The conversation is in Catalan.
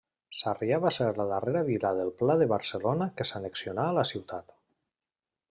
Sarrià va ser la darrera vila del pla de Barcelona que s'annexionà a la ciutat.